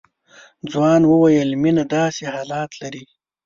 ځوان وويل مينه داسې حالات لري.